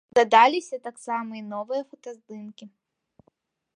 Дадаліся таксама і новыя фотаздымкі.